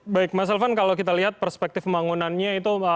baik mas elvan kalau kita lihat perspektif pembangunannya itu